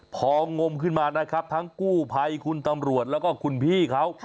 พองมขึ้นมานะครับทั้งกู้ภัยคุณตำรวจแล้วก็คุณพี่เขา